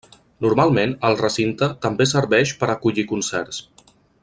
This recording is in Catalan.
Normalment, el recinte també serveix per acollir concerts.